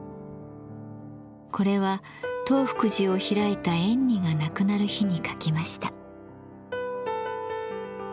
これは東福寺を開いた円爾が亡くなる日に書きました。